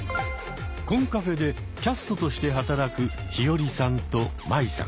コンカフェでキャストとして働くヒヨリさんとマイさん。